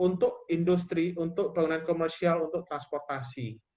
untuk industri untuk bangunan komersial untuk transportasi